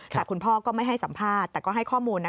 แต่คุณพ่อก็ไม่ให้สัมภาษณ์แต่ก็ให้ข้อมูล